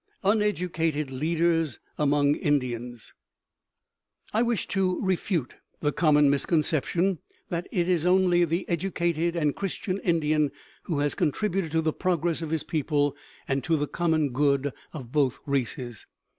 UNEDUCATED LEADERS AMONG INDIANS I wish to refute the common misconception that it is only the educated and Christian Indian who has contributed to the progress of his people and to the common good of both races.